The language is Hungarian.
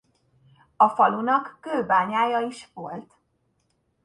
A falunak kőbányája is volt.